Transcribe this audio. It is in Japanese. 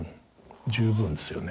十分ですよね。